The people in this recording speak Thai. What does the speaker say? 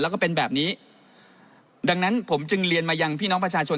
แล้วก็เป็นแบบนี้ดังนั้นผมจึงเรียนมายังพี่น้องประชาชน